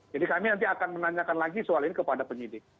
jadi kami nanti akan menanyakan lagi soal ini kepada penyidik